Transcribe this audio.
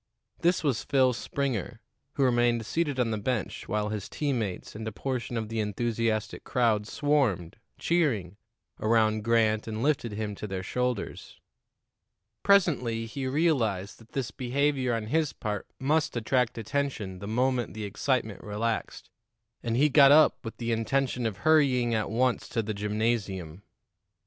This was Phil Springer, who remained seated on the bench while his team mates and a portion of the enthusiastic crowd swarmed, cheering, around Grant and lifted him to their shoulders. Presently he realized that this behavior on his part must attract attention the moment the excitement relaxed, and he got up with the intention of hurrying at once to the gymnasium.